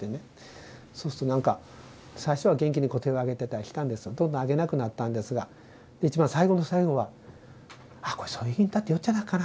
そうすると何か最初は元気に手を上げてたりしたんですがどんどん上げなくなったんですが一番最期の最期は「あっこれそいぎんたって言よんじゃないかな？」